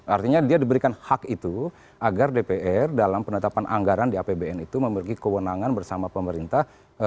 artinya dia diberikan hak itu agar dpr dalam penetapan anggaran di apbn itu memiliki kewenangan bersama pemerintah